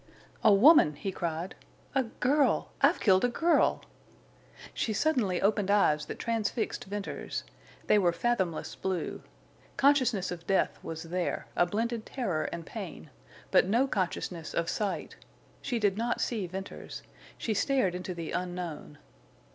"A woman!" he cried. "A girl!... I've killed a girl!" She suddenly opened eyes that transfixed Venters. They were fathomless blue. Consciousness of death was there, a blended terror and pain, but no consciousness of sight. She did not see Venters. She stared into the unknown.